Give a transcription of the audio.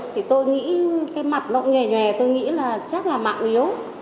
thì tôi nghĩ cái mặt lộn nhòe nhòe tôi nghĩ là chắc là mạng yếu